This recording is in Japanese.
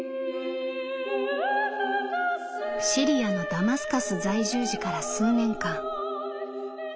「シリアのダマスカス在住時から数年間私たち